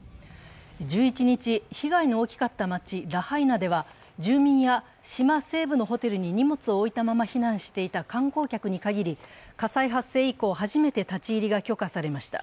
１１日、被害の大きかった街、ラハイナでは住民や島西部のホテルに荷物を置いたまま避難していた観光客に限り、火災発生以降初めて立ち入りが許可されました。